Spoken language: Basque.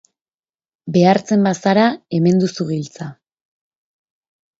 Behartzen bazara, hemen duzu giltza.